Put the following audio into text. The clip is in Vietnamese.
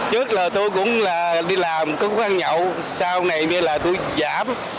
trước là tôi cũng đi làm cứ ăn nhậu sau này như là tôi giảm